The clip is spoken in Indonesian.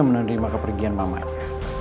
menerima kepergian mamanya